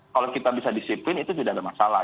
kalau kita bisa disiplin itu tidak ada masalah